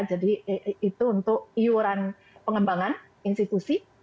jadi itu untuk iuran pengembangan institusi